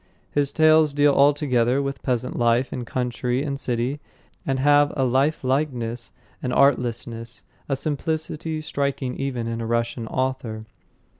His tales deal altogether with peasant life in country and city, and have a lifelikeness, an artlessness, a simplicity striking even in a Russian author.